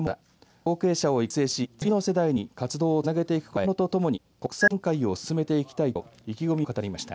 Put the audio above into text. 後継者を育成し次の世代に活動をつなげていくことに加え若者とともに国際展開を進めていきたいと意気込みを語りました。